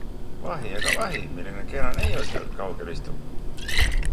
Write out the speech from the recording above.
Vahi aga vahi, milline kena neiu seal kaugel istub.